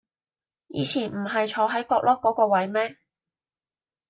以前唔喺坐喺角落嗰個位咩